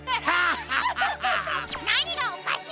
なにがおかしい！